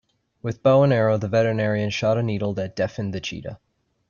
With bow and arrow the veterinarian shot a needle that deafened the cheetah.